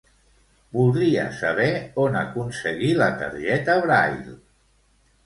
Voldria saber on aconseguir la targeta Braille.